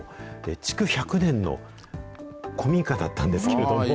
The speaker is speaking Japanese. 築１００年の古民家だったんですけれども。